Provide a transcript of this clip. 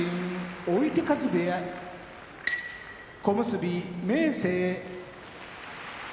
追手風部屋小結・明生